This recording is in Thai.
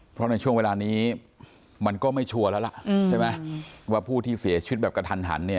เพราะในช่วงเวลานี้มันก็ไม่ชัวร์แล้วล่ะว่าผู้ที่เสียชีวิตแบบกระทัน